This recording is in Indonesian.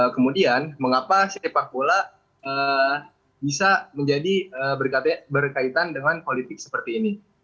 kemudian mengapa sepak bola bisa menjadi berkaitan dengan politik seperti ini